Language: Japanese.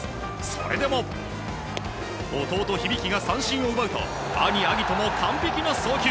それでも弟・響が三振を奪うと兄・晶音も完璧な送球。